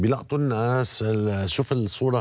มีใครต้องจ่ายค่าคุมครองกันทุกเดือนไหม